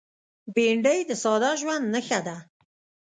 بېنډۍ د ساده ژوند نښه ده